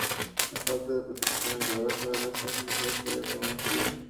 La falta de protecciones dadas por relaciones oficiales todavía permanecían.